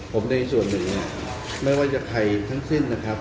ผมในส่วนหนึ่งเนี่ยไม่ว่าจะใครทั้งสิ้นนะครับ